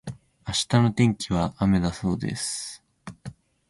明日の天気は雨だそうです。